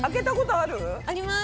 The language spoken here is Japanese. あります！